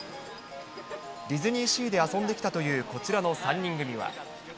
ディズニーシーで遊んできたというこちらの３人組は。